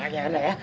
oke ada ya